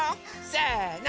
せの！